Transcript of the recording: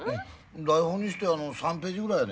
台本にして３ページぐらいやで。